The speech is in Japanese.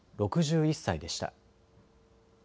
６１歳でした。